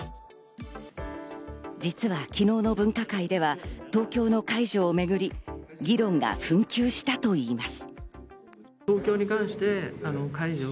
実は昨日の分科会では、東京の解除をめぐり、議論が紛糾したといいます。